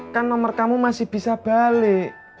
kan nomor kamu masih bisa balik